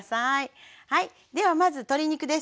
ではまず鶏肉です。